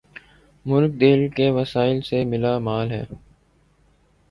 ملک تیل کے وسائل سے مالا مال ہے